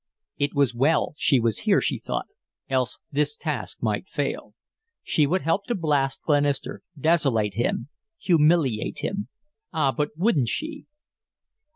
It was well she was here, she thought, else this task might fail. She would help to blast Glenister, desolate him, humiliate him. Ah, but wouldn't she!